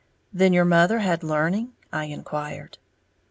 "Then your mother had learning?" I inquired.